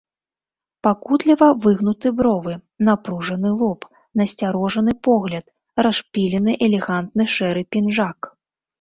Пакутліва выгнуты бровы, напружаны лоб, насцярожаны погляд, расшпілены элегантны шэры пінжак.